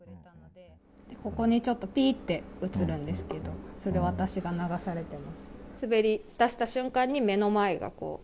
ここにちょっとぴーっと映るんですけどそれ、私が流されています。